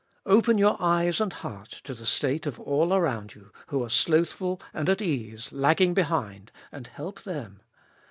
Open your eyes and heart to the state of all around you, who are slothful and at ease, lagging behind, and help them.